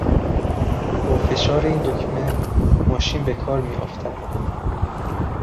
با فشار این دکمه ماشین به کار میافتد.